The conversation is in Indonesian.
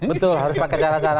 betul harus pakai cara cara